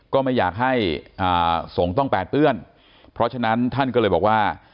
ก็ไม่อยากให้สงฆ์ต้องแปดเปื้อนเพราะฉะนั้นท่านก็เลยบอกว่า